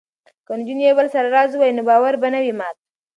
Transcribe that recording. که نجونې یو بل سره راز ووايي نو باور به نه وي مات.